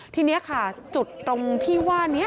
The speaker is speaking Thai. ที่นี่จุดตรงพี่ว่าเนี่ย